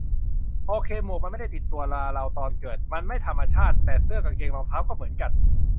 โอเค หมวกมันไม่ได้ติดตัวมาตอนเราเกิด มัน 'ไม่ธรรมชาติ'. แต่เสื้อกางเกงรองเท้า ก็เหมือนกัน.